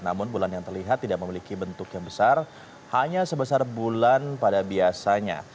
namun bulan yang terlihat tidak memiliki bentuk yang besar hanya sebesar bulan pada biasanya